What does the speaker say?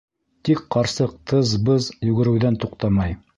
Тик ҡарсыҡ тыз-быз йүгереүҙән туҡтамай.